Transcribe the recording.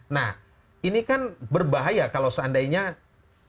nah ini kan berbahaya kalau seandainya teman teman berada di sana